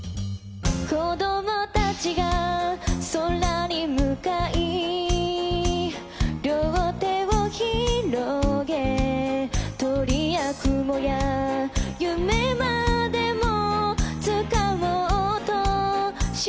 「子供たちが空に向かい両手をひろげ」「鳥や雲や夢までもつかもうとしている」